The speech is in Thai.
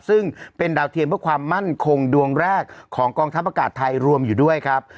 ซึ่งเป็นดาวเทียมเพื่อความมั่นคงดวงแรกของกองทัพอากาศไทยรวมอยู่ด้วยครับ